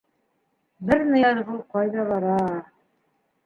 Бер Ныязғол ҡайҙа бара.